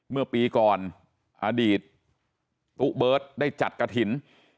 เมื่อปีก่อนอดีตตุ๊เบิร์ตได้จัดกระถิ่น